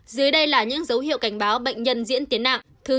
dưới đây là những dấu hiệu cảnh báo bệnh nhân diễn tiến nặng